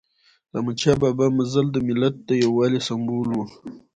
د احمد شاه بابا مزل د ملت د یووالي سمبول و.